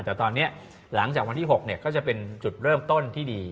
แต่ตอนนี้หลังจากวันที่๖ก็จะเป็นจุดเริ่มต้นที่ดี